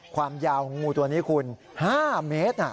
ความยาวของงูตัวนี้คุณ๕เมตร